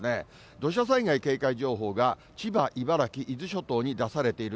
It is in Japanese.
土砂災害警戒情報が千葉、茨城、伊豆諸島に出されている。